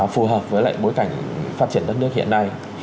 phù hợp với lại bối cảnh phát triển đất nước hiện nay